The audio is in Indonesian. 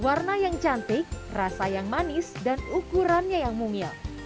warna yang cantik rasa yang manis dan ukurannya yang mumil